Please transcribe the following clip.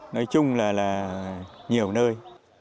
nói chung là là nhiều nơi